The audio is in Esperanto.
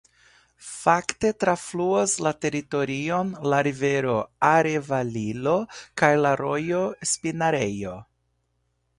Fakte trafluas la teritorion la rivero Arevalillo kaj la rojo Espinarejo.